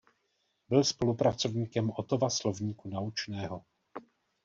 Byl spolupracovníkem Ottova slovníku naučného.